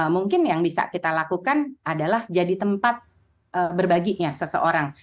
mungkin yang bisa kita lakukan adalah jadi tempat berbaginya seseorang